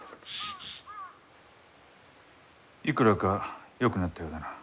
いくらかよくなったようだな。